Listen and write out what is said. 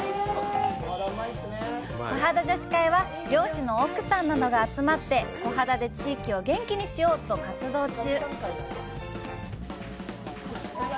コハダ女子会は、漁師の奥さんなどが集まってコハダで地域を元気にしよう！と活動中。